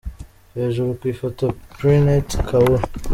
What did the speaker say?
Hejuru ku ifoto : Preneet Kaur.